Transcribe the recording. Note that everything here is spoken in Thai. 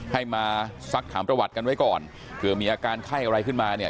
ให้มาซักถามประวัติกันไว้ก่อนเผื่อมีอาการไข้อะไรขึ้นมาเนี่ย